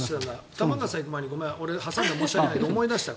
玉川さんに行く前に俺を挟んで申し訳ないんだけど思い出したわ。